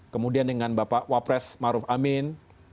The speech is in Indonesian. kemudian dengan bapak wapres maruf amin